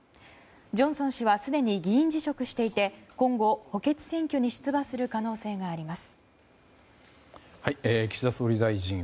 ジョンソン氏はすでに議員辞職していて今後、補欠選挙に出馬する可能性があります。